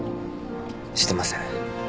してません。